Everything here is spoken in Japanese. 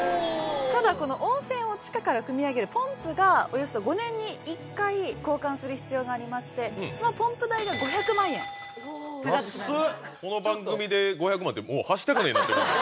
ただこの温泉を地下からくみ上げるポンプがおよそ５年に１回交換する必要がありましてそのポンプ代が５００万円プラスになります。